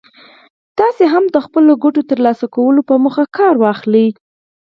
تاسې هم د خپلو ګټو ترلاسه کولو په موخه کار واخلئ.